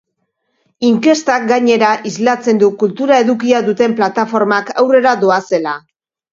Inkestak, gainera, islatzen du kultura edukia duten plataformak aurrera doazela.